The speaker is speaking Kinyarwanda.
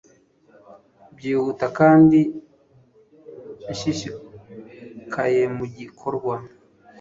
Byihuta kandi nshishikayemugikorwa